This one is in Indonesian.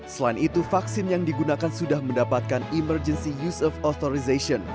selain itu vaksin yang digunakan sudah mendapatkan emergency use of authorization